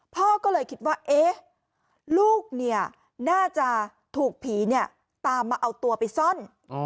พ่อก็เลยคิดว่าลูกเนี่ยน่าจะถูกผีตามมาเอาตัวไปซ่อน